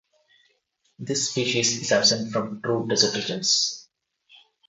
This species is absent from true desert regions.